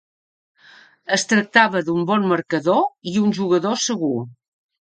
Es tractava d'un bon marcador i un jugador segur.